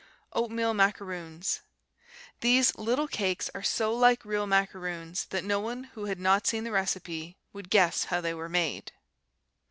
Oatmeal Macaroons These little cakes are so like real macaroons that no one who had not seen the recipe would guess how they were made.